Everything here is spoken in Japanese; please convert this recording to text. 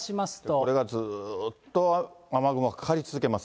これがずっと雨雲かかり続けます。